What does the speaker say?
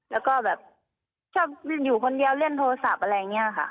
แล้วก็แบบชอบอยู่คนเดียวเล่นโทรศัพท์อะไรอย่างนี้ค่ะ